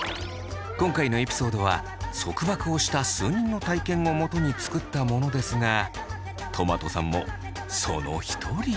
今回のエピソードは束縛をした数人の体験をもとに作ったものですがとまとさんもその一人。